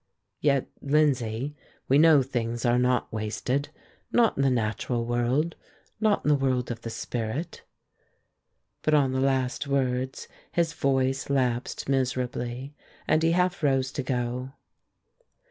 "Yet, Lindsay, we know things are not wasted; not in the natural world, not in the world of the spirit." But on the last words his voice lapsed miserably, and he half rose to go.